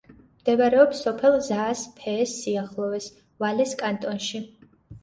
მდებარეობს სოფელ ზაას-ფეეს სიახლოვეს, ვალეს კანტონში.